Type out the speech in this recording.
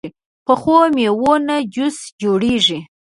پخو میوو نه جوس جوړېږي